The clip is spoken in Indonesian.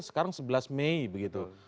sekarang sebelas mei begitu